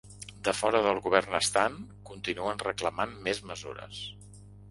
De fora del govern estant, continuen reclamant més mesures.